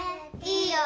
いいよ。